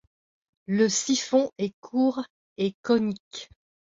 Le siphon est court et conique.